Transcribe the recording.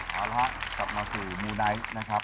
กลับมาคือมูไนท์นะครับ